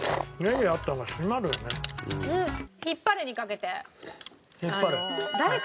引っ張るにかけて。